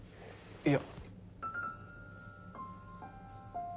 いや。